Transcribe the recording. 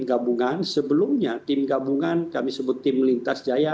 gabungan sebelumnya tim gabungan kami sebut tim lintas jaya